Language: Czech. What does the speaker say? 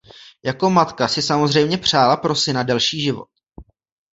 Jako matka si samozřejmě přála pro syna delší život.